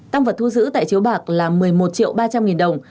tăng vật thu giữ tại chiếu bạc là một mươi một triệu ba trăm linh nghìn đồng